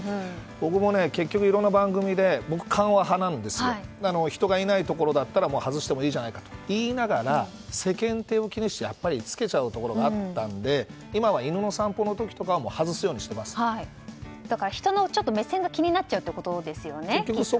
僕も結局いろんな番組で人がいないところだったら外してもいいじゃないかと言ってでも世間体を気にして、やっぱり着けちゃうところがあったので今は犬の散歩の時とかは人の目線が気になっちゃうというところですよね。